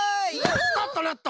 スタッとなっと！